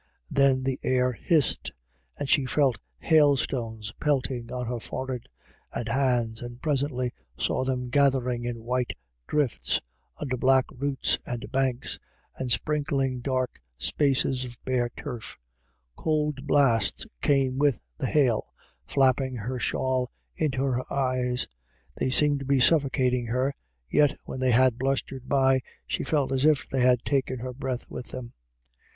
Then the air hissed, and she felt hailstones pelting on her forehead and hands, and presently saw them gathering in white drifts under black roots and banks, and sprinkling dark spaces of bare turf Cold blasts came with the hail, flapping her shawl into her eyes ; they seemed to be suffocating her, yet when they had blustered by, she felt as if they had taken her breath with them.